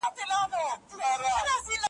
دې ښارته به د اوښکو د سېلونو سلا نه وي `